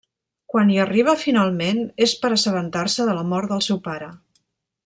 Quan hi arriba finalment, és per assabentar-se de la mort del seu pare.